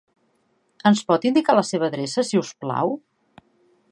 Ens pot indicar la seva adreça, si us plau?